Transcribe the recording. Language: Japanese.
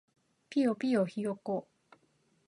ぴよぴよひよこ